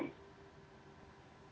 ya jadi cuman ini jadi tontonan hiburan